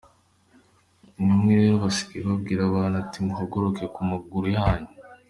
Bamwe rero basigaye babwira abantu bati: “Muhaguruke ku maguru yanyu…”.